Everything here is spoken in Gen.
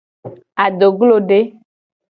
Adoglode.